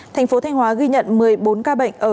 thành phố thanh hóa ghi nhận một mươi bốn ca bệnh